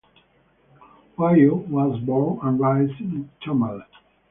Wayo was born and raised in Tamale.